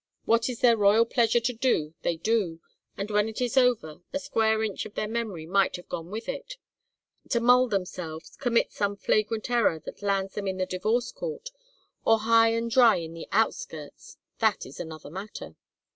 What is their royal pleasure to do they do, and when it is over a square inch of their memory might have gone with it. To mull themselves, commit some flagrant error that lands them in the divorce court, or high and dry in the outskirts that is another matter.